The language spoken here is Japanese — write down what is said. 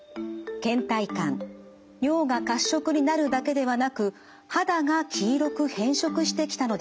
けん怠感尿が褐色になるだけではなく肌が黄色く変色してきたのです。